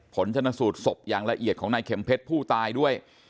ผลชนสูตรศพอย่างละเอียดของนายเข็มเพชรผู้ตายด้วย